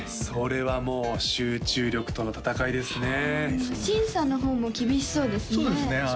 それはもう集中力との闘いですねはい審査の方も厳しそうですね